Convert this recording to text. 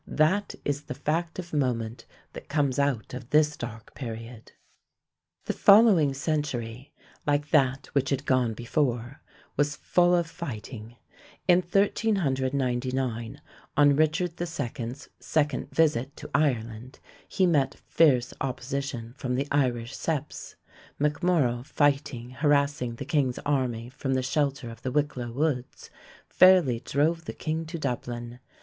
That is the fact of moment that comes out of this dark period. The following century, like that which had gone before, was full of fighting. In 1399, on Richard II.'s second visit to Ireland, he met fierce opposition from the Irish septs. MacMorrough, fighting, harassing the king's army from the shelter of the Wicklow woods, fairly drove the king to Dublin.